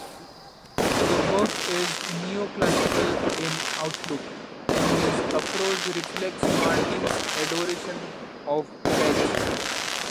The work is Neoclassical in outlook, and his approach reflects Martin's adoration of Bach.